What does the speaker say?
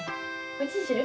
こっちにする？